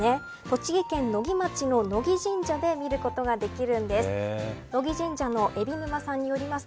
栃木県野木町の野木神社で見ることができるんです。